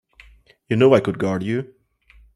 You know I could guard you.